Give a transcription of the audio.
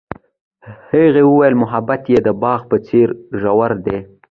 هغې وویل محبت یې د باغ په څېر ژور دی.